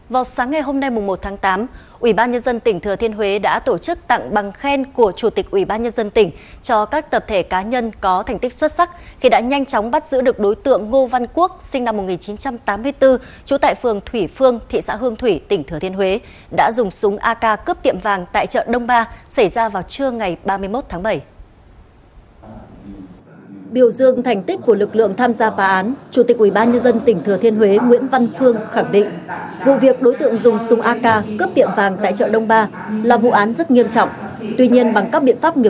vào sáng ngày hôm nay một tháng tám ủy ban nhân dân tỉnh thừa thiên huế đã tổ chức tặng bằng khen của chủ tịch ủy ban nhân dân tỉnh cho các tập thể cá nhân có thành tích xuất sắc khi đã nhanh chóng bắt giữ được đối tượng ngô văn quốc sinh năm một nghìn chín trăm tám mươi bốn trú tại phường thủy phương thị xã hương thủy tỉnh thừa thiên huế đã dùng súng ak cướp tiệm vàng tại chợ đông ba xảy ra vào trưa ngày ba mươi một tháng bảy